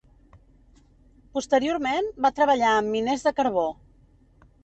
Posteriorment va treballar amb miners de carbó.